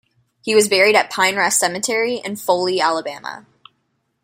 He was buried at Pine Rest Cemetery in Foley, Alabama.